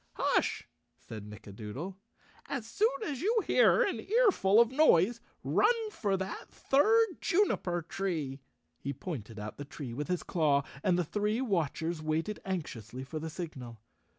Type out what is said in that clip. "Hush," said Nickadoodle. "As soon as you hear an ear full of noise run for that third juniper tree." He pointed out the tree with his claw and the three watch¬ ers waited anxiously for the signal.